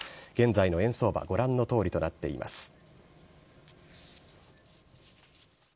現在の円相場、ご覧のとおりとなっています。